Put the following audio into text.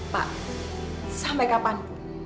pak sampai kapan